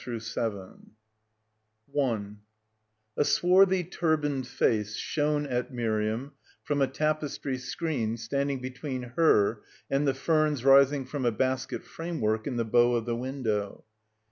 A. H. CHAPTER I A SWARTHY turbaned face shone at Miriam from a tapestry screen standing between her and the ferns rising from a basket framework in the bow of the window.